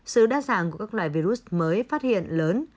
sự đa dạng của các loài virus mới phát hiện lớn